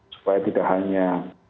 supaya tidak hanya